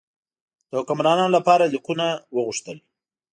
د حکمرانانو لپاره لیکونه وغوښتل.